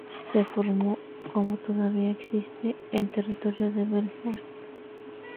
Se formó, como todavía existe, el Territorio de Belfort.